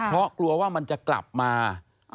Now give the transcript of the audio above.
เพราะกลัวว่ามันจะกลับมา